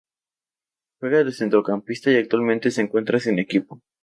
Juega de centrocampista y actualmente se encuentra sin equipo.